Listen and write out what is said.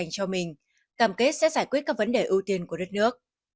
cho mình cảm kết sẽ giải quyết các vấn đề ưu tiên của đất nước